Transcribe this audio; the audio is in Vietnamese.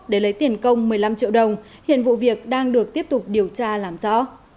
để lấy tiền công một mươi năm triệu đồng hiện vụ việc đang được tiếp tục điều tra làm rõ